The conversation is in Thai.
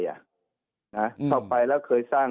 เข้าไปแล้วเคยสร้าง